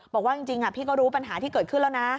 บอกว่าจริงพี่ก็รู้ปัญหาที่เกิดขึ้นแล้วนะ